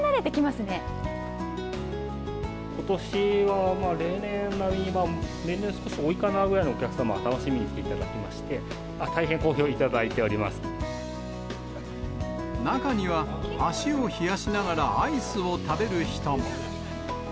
ことしは例年並み、例年より少し多いかなぐらいのお客様に楽しみに来ていただきまし中には、足を冷やしながらアイスを食べる人も。